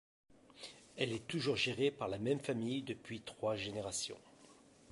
Elle est toujours gérée par la même famille depuis trois générations.